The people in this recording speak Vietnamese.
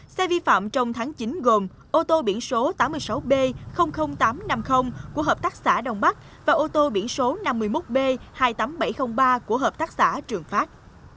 xe vi phạm trong tháng chín gồm ô tô biển số tám mươi sáu b tám trăm năm mươi của hợp tác xã đông bắc và ô tô biển số năm mươi một b hai mươi tám nghìn bảy trăm linh ba của hợp tác xã trường phát